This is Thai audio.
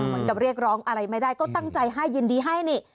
เรียกร้องอะไรไม่ได้ก็ตั้งใจให้ยินดีให้นี่